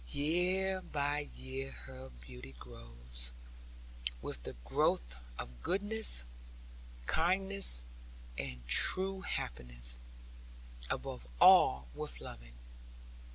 Year by year her beauty grows, with the growth of goodness, kindness, and true happiness above all with loving.